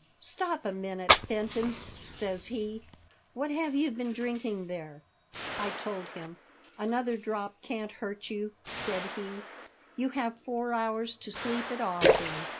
" Stop a minute, Fenton," says he ; "what have you been drinking there ?" I told him. " Another drop can't hurt you," said he ;" you have four hours to sleep it off in."